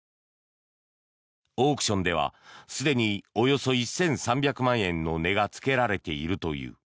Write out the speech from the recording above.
オークションではすでにおよそ１３００万円の値がつけられているという。